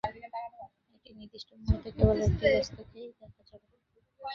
একটি নির্দিষ্ট মুহূর্তে কেবল একটি বস্তুকেই দেখা চলে।